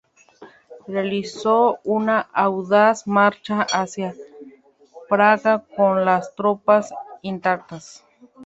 Realizó una audaz marcha hacia Praga con las tropas intactas.